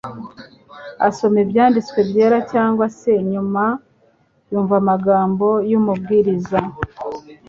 asoma Ibyanditswe Byera, cyangwa se yumva amagambo y'umubwiriza.